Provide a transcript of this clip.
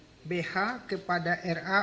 sebagai perantara bh kepada ra